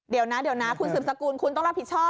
เดี๋ยวนะคุณสึบสกุลคุณต้องรับผิดชอบ